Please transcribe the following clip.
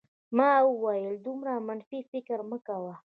ما وویل چې دومره منفي فکر مه کوه